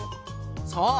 そう。